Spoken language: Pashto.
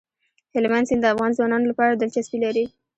هلمند سیند د افغان ځوانانو لپاره دلچسپي لري.